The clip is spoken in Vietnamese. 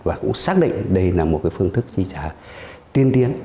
và cũng xác định đây là một phương thức chi trả tiên tiến